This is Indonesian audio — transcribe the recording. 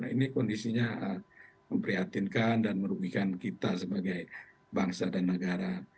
ini kondisinya memprihatinkan dan merugikan kita sebagai bangsa dan negara